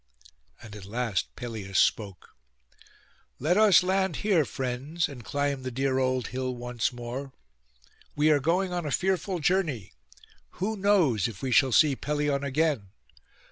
And at last Peleus spoke, 'Let us land here, friends, and climb the dear old hill once more. We are going on a fearful journey; who knows if we shall see Pelion again?